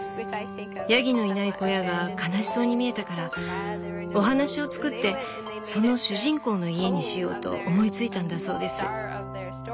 ヤギのいない小屋が悲しそうに見えたからお話を作ってその主人公の家にしようと思いついたんだそうです。